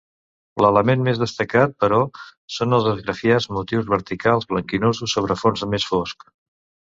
L'element més destacat, però, són els esgrafiats; motius verticals blanquinosos sobre fons més fosc.